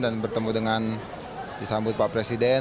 dan bertemu dengan disambut pak presiden